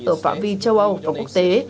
ở phạm vi châu âu và quốc tế